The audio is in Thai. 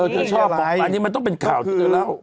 เธอชอบออกมาอันนี้มันต้องเป็นข่าวที่เธอเล่า